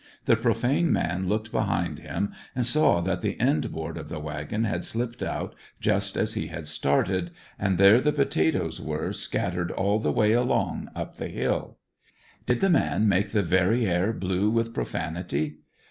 The profane man looked behind him and saw that the end board of the wagon had slipped out just as he had started, and there the potatoes were, scattered all the way along up the hill. Did the man make the very air blue with profanity?